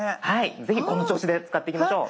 是非この調子で使っていきましょう。